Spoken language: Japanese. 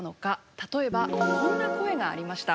例えばこんな声がありました。